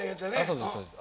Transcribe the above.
そうですそうです。